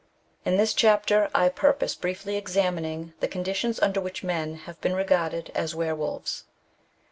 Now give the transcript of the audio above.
In this chapter I purpose briefly examining the con ditions under which men have been regarded as were wolves.